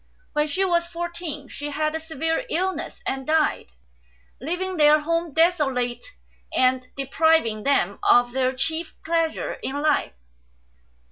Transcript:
When she was four teen she had a severe illness and died, leaving their home desolate and depriving them of their chief pleasure in life.